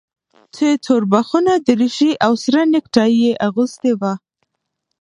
چې توربخونه دريشي او سره نيكټايي يې اغوستې وه.